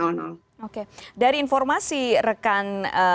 yang mau dikonsumsi rekan